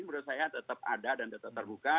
menurut saya tetap ada dan tetap terbuka